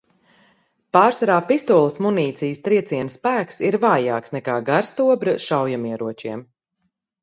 Pārsvarā pistoles munīcijas trieciena spēks ir vājāks nekā garstobra šaujamieročiem.